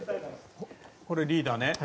これ、リーダー